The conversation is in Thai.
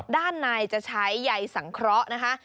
ด้านในจะใช้ใยสังเคราะห์นะคะ